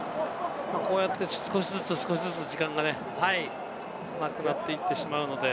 こうやって少しずつ時間がなくなっていってしまうので。